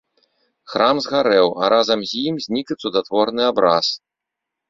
Храм згарэў, а разам з ім знік і цудатворны абраз.